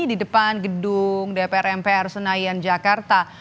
di depan gedung dpr mpr senayan jakarta